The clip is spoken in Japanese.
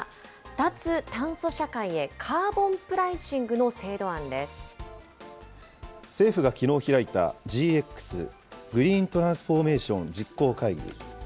脱炭素社会へカーボンプライシン政府がきのう開いた、ＧＸ・グリーントランスフォーメーション実行会議。